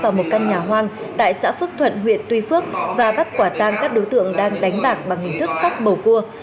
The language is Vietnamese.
vào một căn nhà hoang tại xã phước thuận huyện tuy phước và bắt quả tan các đối tượng đang đánh bạc bằng hình thức sóc bầu cua